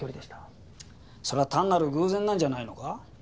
それは単なる偶然なんじゃないのか？